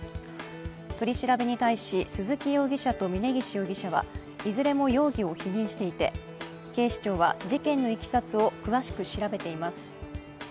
取り調べに対し鈴木容疑者と峯岸容疑者はいずれも容疑を否認していて、警視庁は事件のいきさつを詳しく調べています。